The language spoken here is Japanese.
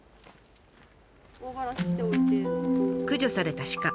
駆除された鹿